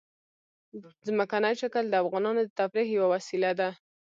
ځمکنی شکل د افغانانو د تفریح یوه وسیله ده.